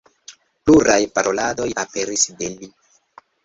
Pluraj paroladoj aperis de li.